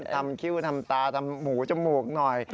คิ้วทำตาทำหมูจมูกหน่อย